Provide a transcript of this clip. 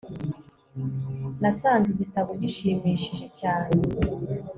nasanze igitabo gishimishije cyane